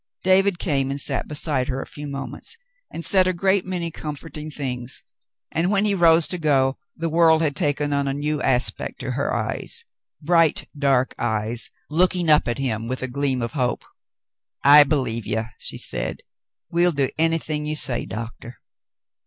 . David came and sat beside her a few moments and said a great many comforting things, and when he rose to go the world had taken on a new aspect for her eyes — bright, dark eyes, looking up at him with a gleam of hope. "I believe ye," she said. "We'll do anything you say, Doctah."